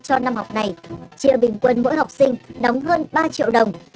cho năm học này chị bình quân mỗi học sinh đóng hơn ba triệu đồng